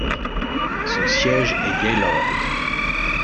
Son siège est Gaylord.